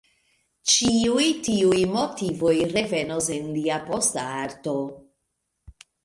Ĉiuj tiuj motivoj revenos en lia posta arto.